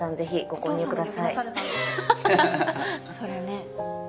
それね